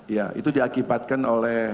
ya itu diakibatkan oleh